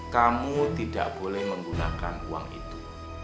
kamu tidak boleh menggunakan uang itu